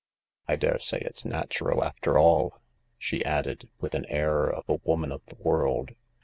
I daresay it's natural after all," she added, with an air of a woman of the world.